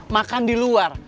makan di luar